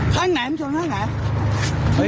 ข้างไหนมันชนข้างไหน